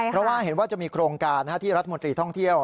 เพราะว่าเห็นว่าจะมีโครงการที่รัฐมนตรีท่องเที่ยว